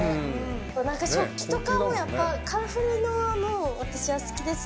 何か食器とかもやっぱカラフルなの私は好きですね。